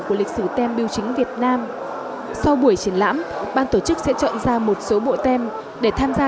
của lịch sử tem biêu chính việt nam sau buổi triển lãm ban tổ chức sẽ chọn ra một số bộ tem để tham gia